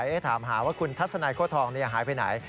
ทำให้ทำหาว่าทัศนัยโฆธองเนี่ยอย่าหายไปไหน